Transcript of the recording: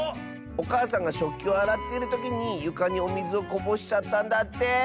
おかあさんがしょっきをあらってるときにゆかにおみずをこぼしちゃったんだって。